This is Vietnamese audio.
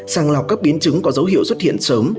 sàng lọc các biến chứng có dấu hiệu xuất hiện sớm